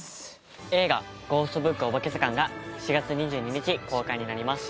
映画「ゴーストブックおばけずかん」が７月２２日公開になります